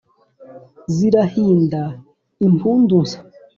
zirahinda impundu nsa